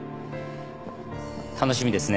楽しみですね。